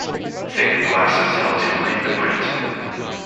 Thick glasses helped him read the print.